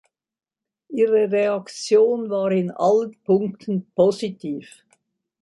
Ihre Reaktion war in allen Punkten positiv.